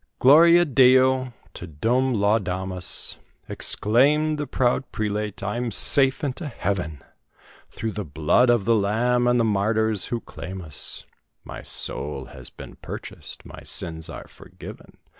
"Gloria Deo! Te Deum laudamus!" Exclaimed the proud prelate, "I'm safe into Heaven; Through the blood of the Lamb, and the martyrs who claim us, My soul has been purchased, my sins are forgiven!